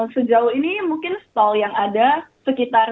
sejauh ini mungkin stall yang ada sekitar dua puluh